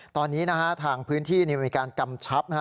ตอนนี้นะฮะทางพื้นที่มีการกำชับ